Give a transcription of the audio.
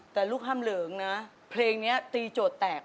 แต่ลูกฮ่ำเหลิงนะเพลงนี้ตีโจทย์แตก